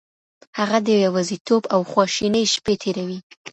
هغه د يوازيتوب او خواشينۍ شپې تېروي.